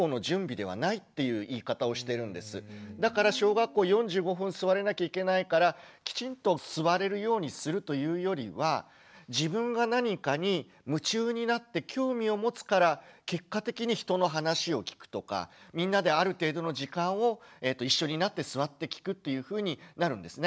だから小学校４５分座れなきゃいけないからきちんと座れるようにするというよりは自分が何かに夢中になって興味を持つから結果的に人の話を聞くとかみんなである程度の時間を一緒になって座って聞くというふうになるんですね。